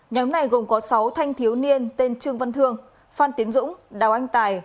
nhóm này gồm có sáu thanh thiếu niên tên trương văn thương phan tiến dũng đào anh tài